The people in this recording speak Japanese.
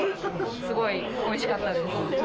すごいおいしかったです。